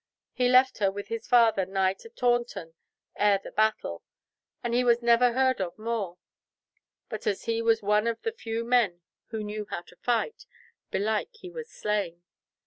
He left her with his father nigh to Taunton ere the battle, and he was never heard of more, but as he was one of the few men who knew how to fight, belike he was slain.